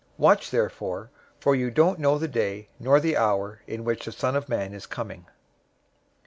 025:013 Watch therefore, for you don't know the day nor the hour in which the Son of Man is coming.